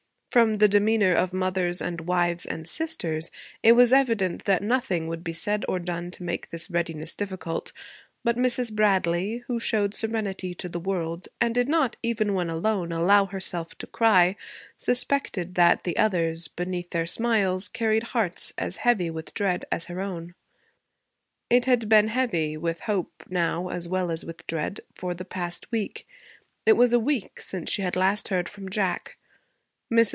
From the demeanor of mothers and wives and sisters it was evident that nothing would be said or done to make this readiness difficult; but Mrs. Bradley, who showed serenity to the world and did not, even when alone, allow herself to cry, suspected that the others, beneath their smiles, carried hearts as heavy with dread as her own. It had been heavy, with hope now as well as with dread, for the past week. It was a week since she had last heard from Jack. Mrs.